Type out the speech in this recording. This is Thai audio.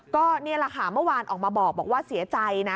ก็นี่แหละค่ะเมื่อวานออกมาบอกว่าเสียใจนะ